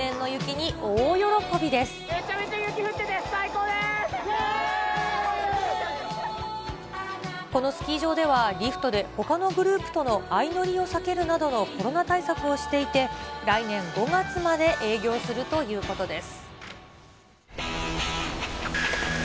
めちゃめちゃ雪降ってて最高このスキー場では、リフトでほかのグループとの相乗りを避けるなどのコロナ対策をしていて、来年５月まで営業するということです。